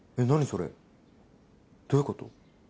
それどういうこと？